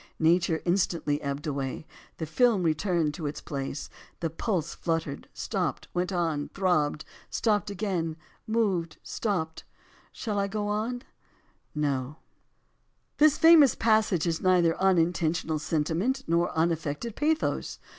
Nature instantly ebbed again, — the film returned to its place. 242 AS TO ANTHOLOGIES — the pulse fluttered, — stopped, — went on, — throbbed, — stopped again, — moved, — stopped, — shall I go on ? No. This famous passage is neither unintentional senti ment nor unaffected pathos.